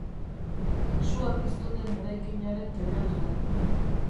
Sua piztu den eraikinaren teilatua.